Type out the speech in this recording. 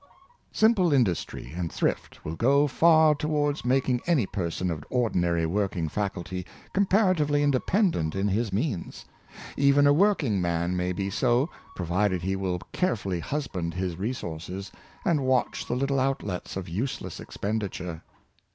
Simple industry and thrift will go far towards mak ing any person of ordinary working faculty compara tively independent in his means. Even a working man may be so, provided he will carefully husband his re sources, and watch the little outlets of useless expendi ture.